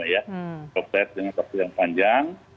ya proses dengan waktu yang panjang